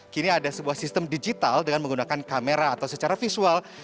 kini ada sebuah sistem digital dengan menggunakan kamera atau secara visual